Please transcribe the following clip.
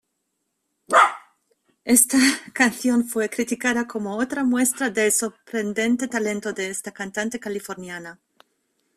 Esta canción fue criticada como Otra muestra del sorprendente talento de esta cantante californiana.